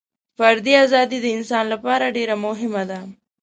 فردي ازادي د انسان لپاره ډېره مهمه ده.